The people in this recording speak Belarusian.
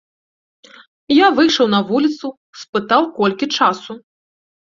Я выйшаў на вуліцу, спытаў, колькі часу.